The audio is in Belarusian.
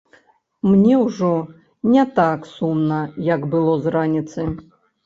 Мне ўжо не так сумна, як было з раніцы.